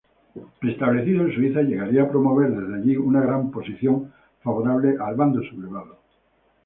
Establecido en Suiza, llegaría a promover desde allí una posición favorable al bando sublevado.